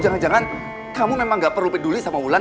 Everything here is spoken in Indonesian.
jangan jangan kamu memang gak perlu peduli sama wulan